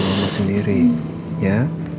jangan menyalahkan diri mama sendiri